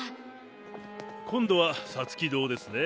今度は皐月堂ですね。